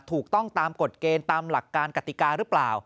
ถูกต้องตามกฎเกณฑ์ตามหลักการกติกาหรือเปล่า